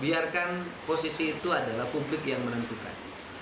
biarkan posisi itu adalah publik yang menentukan